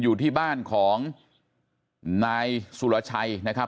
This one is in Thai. อยู่ที่บ้านของนายสุรชัยนะครับ